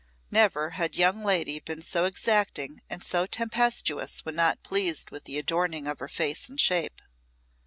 Never had young lady been so exacting and so tempestuous when not pleased with the adorning of her face and shape.